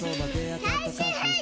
最終兵器！